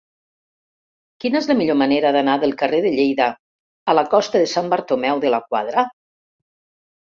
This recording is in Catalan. Quina és la millor manera d'anar del carrer de Lleida a la costa de Sant Bartomeu de la Quadra?